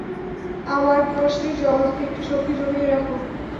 আমার প্রশ্নের জবাব দিতে একটু শক্তি জমিয়ে রাখ।